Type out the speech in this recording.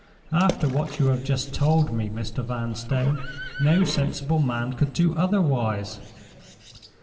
After what you have just told me, Mr. Vanstone, no sensible man could do otherwise.